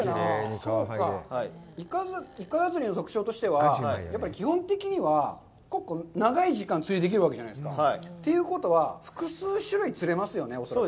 いかだ釣りの特徴としては、基本的には長い時間、釣りができるわけじゃないですか。ということは、複数種類、釣れますよね、恐らく。